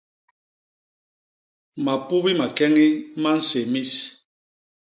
Mapubi makeñi ma nsé mis.